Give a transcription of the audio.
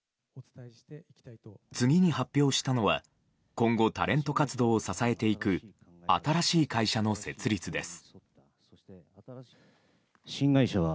次に発表したのは今後タレント活動を支えていく新しい会社の設立です。